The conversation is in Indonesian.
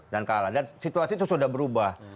dan kalah dan situasi itu sudah berubah